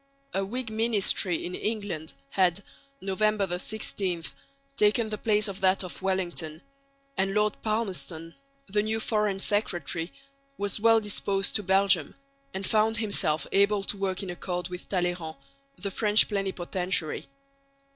A Whig ministry in England had (November 16) taken the place of that of Wellington; and Lord Palmerston, the new Foreign Secretary, was well disposed to Belgium and found himself able to work in accord with Talleyrand, the French plenipotentiary.